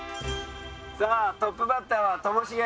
さあトップバッターはともしげ。